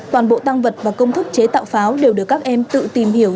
toàn bộ tăng vật và công thức chế tạo pháo đều được các em tự tìm hiểu